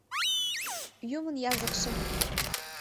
ЮМЫН ЯЗЫКШЕ